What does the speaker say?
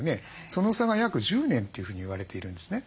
その差が約１０年というふうに言われているんですね。